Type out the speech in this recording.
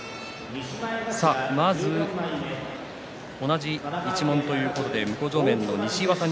まず、同じ一門ということで向正面の西岩さん